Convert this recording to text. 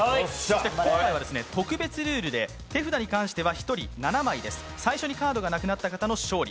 今回は特別ルールで手札に関しては１人７枚です、最初にカードがなくなったかたの勝利。